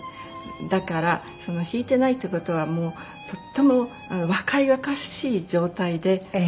だから弾いてないって事はとっても若々しい状態で楽器がいて。